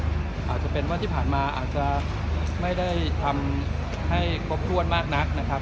อาจจะเป็นว่าที่ผ่านมาอาจจะไม่ได้ทำให้ครบถ้วนมากนักนะครับ